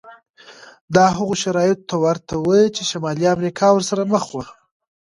دا هغو شرایطو ته ورته و چې شمالي امریکا ورسره مخ وه.